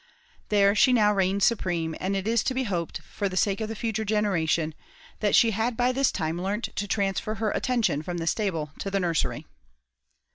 There she now reigned supreme, and it is to be hoped, for the sake of the future generation, that she had by this time learnt to transfer her attention from the stable to the nursery.